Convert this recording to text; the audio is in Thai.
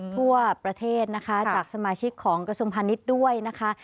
ทั่วประเทศนะคะจากสมาชิกของกระทรวงพาณิชย์ด้วยนะคะ